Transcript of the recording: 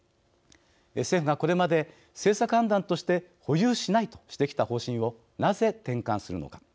政府が、これまで政策判断として保有しないとしてきた方針をなぜ転換するのか。